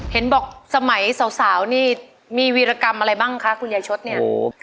เห็นบอกสมัยสาวนี่มีวีรกรรมอะไรบ้างคะคุณยายชดเนี่ย